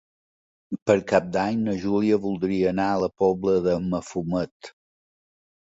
Per Cap d'Any na Júlia voldria anar a la Pobla de Mafumet.